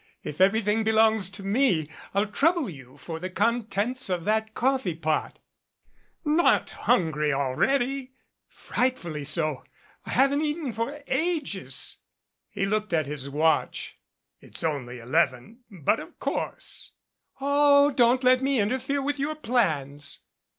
If everything belongs to me, I'll trouble you for the contents of that coffee pot." "Not hungry already !" 130 FAGABONDIA "Frightfully so. I haven't eaten for ages." He looked at his watch. "It's only eleven, but of course ' "Oh, don't let me interfere with your plans."